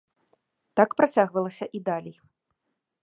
Так працягвалася і далей.